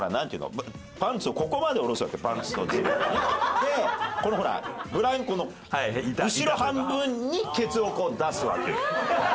でこのブランコの後ろ半分にケツをこう出すわけよ。